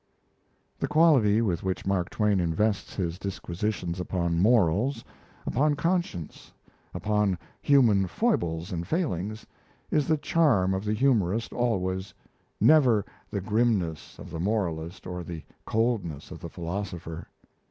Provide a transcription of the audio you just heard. The quality with which Mark Twain invests his disquisitions upon morals, upon conscience, upon human foibles and failings, is the charm of the humorist always never the grimness of the moralist or the coldness of the philosopher.